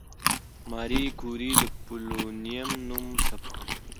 ماري کوري د پولونیم نوم ثبت کړ.